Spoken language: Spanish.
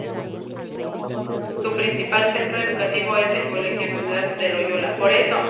Su principal centro educativo es el colegio Ciudad de Loyola.